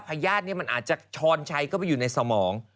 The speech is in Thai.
พญาตินี้มันอาจจะช้อนชัยเข้าไปอยู่ในสมอง